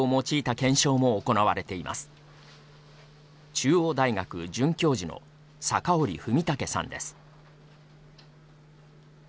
中央大学准教授の酒折文武さんです。